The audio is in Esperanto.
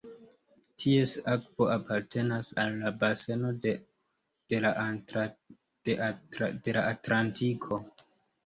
Ties akvo apartenas al la baseno de la Atlantiko.